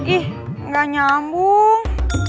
ih gak nyambung